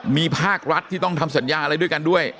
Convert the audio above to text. มีภาครัฐที่ต้องทำสัญญาอะไรด้วยกันด้วย